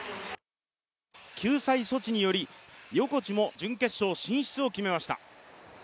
救済措置により横地も準決勝進出を決めました。